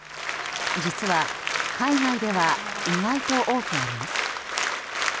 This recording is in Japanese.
実は、海外では意外と多くあります。